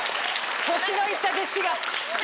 年のいった弟子が。